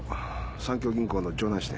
三協銀行の城南支店。